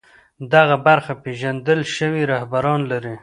دغه برخه پېژندل شوي رهبران لري